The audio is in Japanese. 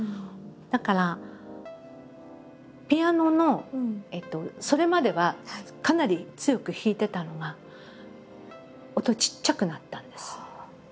だからピアノのそれまではかなり強く弾いてたのが音ちっちゃくなったんです。